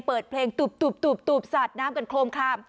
เปิดเพลงตูบสาดน้ำกันโครมคลาม